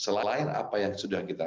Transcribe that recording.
selain apa yang sudah kita